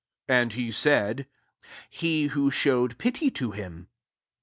37 And he said, ." He who showed pity to him."